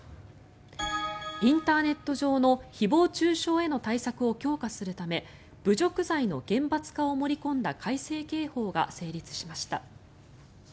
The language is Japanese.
インターネット上の誹謗・中傷への対策を強化するため侮辱罪の厳罰化を盛り込んだ改正刑法が成立しました。